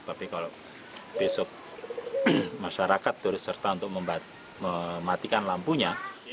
tapi kalau besok masyarakat turis serta untuk mematikan lampunya